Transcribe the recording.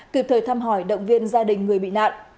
kịp thời thăm hỏi động viên gia đình người bị nạn